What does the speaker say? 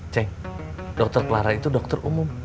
ceng dokter clara itu dokter umum